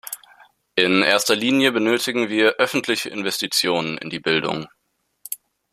In erster Linie benötigen wir öffentliche Investitionen in die Bildung.